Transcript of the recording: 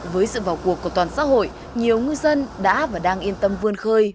với sự vào cuộc của toàn xã hội nhiều ngư dân đã và đang yên tâm vươn khơi